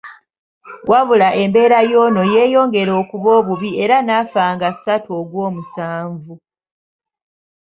Wabula embeera y'ono yeyongera okuba obubi era n'afa nga ssatu Ogwomusanvu.